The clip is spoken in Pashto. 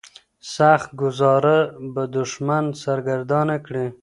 سخت ګوزار به دښمن سرګردانه کړي.